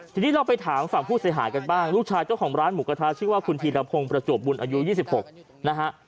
ทีนี้เราไปถามฝั่งผู้เสียหายกันบ้างลูกชายเจ้าของร้านหมูกระทะชื่อว่าคุณธีรพงศ์ประจวบบุญอายุ๒๖นะฮะ